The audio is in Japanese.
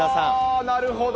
なるほど。